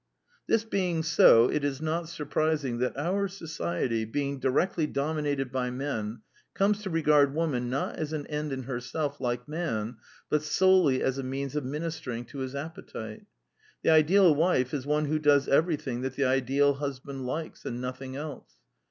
This being so, it is not surprising that our society, being directly dominated by men, comes to regard Woman, not as an end in herself like Man, but solely as a means of ministering to his appetite. The ideal wife is one who does every thing that the ideal husband likes, and nothing else.